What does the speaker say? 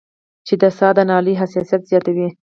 چې د ساه د نالۍ حساسيت زياتوي